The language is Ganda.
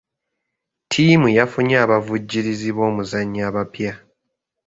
Ttiimu yafunye abavujjirizi b'omuzannyo abapya.